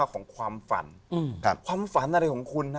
ของความฝันความฝันอะไรของคุณนะ